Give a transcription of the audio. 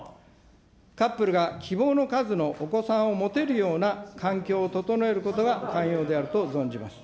カップルが希望の数のお子さんを持てるような環境を整えることが肝要であると存じます。